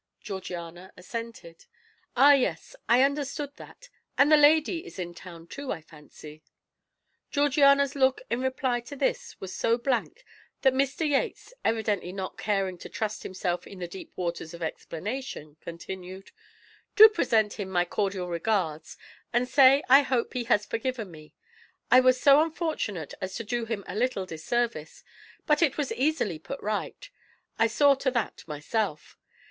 Georgiana assented. "Ah, yes, I understood that; and the lady is in town, too, I fancy." Georgiana's look in reply to this was so blank that Mr. Yates, evidently not caring to trust himself in the deep waters of explanation, continued: "Do present him my cordial regards, and say I hope he has forgiven me. I was so unfortunate as to do him a little disservice, but it was easily put right; I saw to that myself.